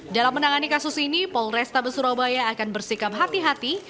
dalam menangani kasus ini polrestabes surabaya akan bersikap hati hati